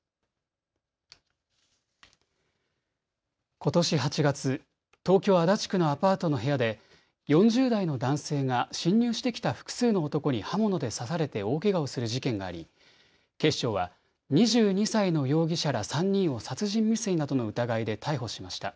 ことし８月、東京足立区のアパートの部屋で４０代の男性が侵入してきた複数の男に刃物で刺されて大けがをする事件があり警視庁は２２歳の容疑者ら３人を殺人未遂などの疑いで逮捕しました。